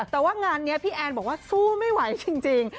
แต่ว่างานนี้พี่แอนบอกว่าสู้ไม่ไหวจริง